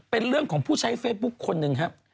เป็นเรื่องของผู้ใช้เฟซบุ๊คคนหนึ่งครับ